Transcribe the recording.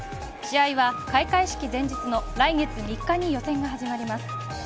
試合は開会式前日の来月３日に予選が始まります。